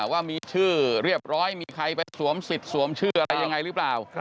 ว่ามีชื่อเรียบร้อยมีใครไปสวมสิทธิ์สวมชื่ออะไรยังไงหรือเปล่า